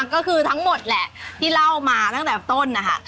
ก็คือทั้งหมดแหละที่เล่ามาตั้งแต่ต้นนะคะ